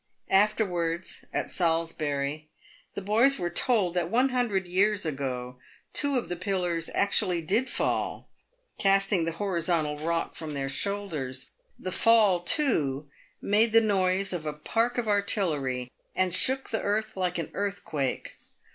Afterwards, at Salisbury, the boys were told that one hundred years ago two of the pillars actually did fall, casting the horizontal rock from their shoulders. The fall, too, made the noise of a park of artillery, and shook the earth like an earthquake.